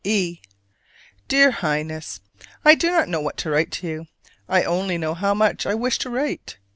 E. Dear Highness: I do not know what to write to you: I only know how much I wish to write.